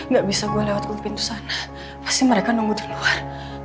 gak bisa gue lewat pintu sana pasti mereka nunggu di luar